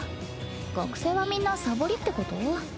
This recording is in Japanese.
学生はみんなサボりってこと？